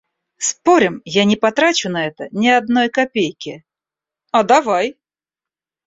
«Спорим, я не потрачу на это ни одной копейки?» — «А давай!»